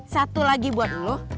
satu lagi buat lo